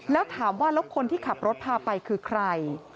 แล้วถามว่าแล้วคนที่ขับรถพาไปคือใคร